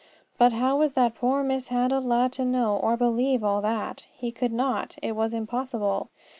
But how was that poor, mishandled lad to know or believe all that? He could not. It was impossible.